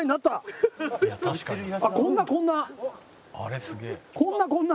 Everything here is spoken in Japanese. あっこんなこんな！